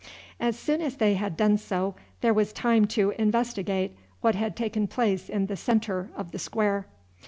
As soon as they had done so there was time to investigate what had taken place in the centre of the square.